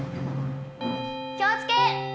気を付け！